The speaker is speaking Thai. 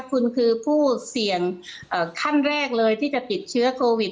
คุณคือผู้เสี่ยงขั้นแรกเลยที่จะติดเชื้อโควิด